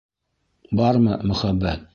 Бармы мөхәббәт?